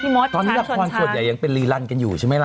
มดตอนนี้ละครส่วนใหญ่ยังเป็นรีลันกันอยู่ใช่ไหมล่ะ